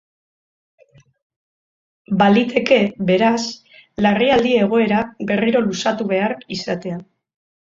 Baliteke, beraz, larrialdi egoera berriro luzatu behar izatea.